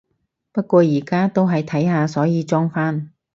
不過而家係想睇下，所以裝返